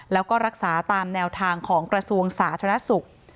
แล้วก็รักษาตามแนวทางของกระทรวงสาธารณสุข